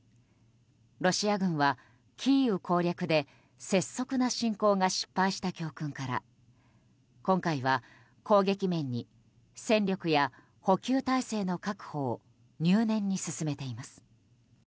ロシア軍は、キーウ攻略で拙速な侵攻が失敗した教訓から今回は攻撃面に戦力や補給態勢の確保を入念に進めています。